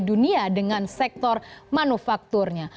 dunia dengan sektor manufakturnya